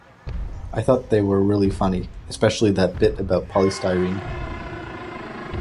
I thought they were really funny, especially that bit about polystyrene.